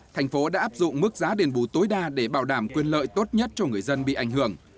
thành phố đã áp dụng mức giá đền bù tối đa để bảo đảm quyền lợi tốt nhất cho người dân bị ảnh hưởng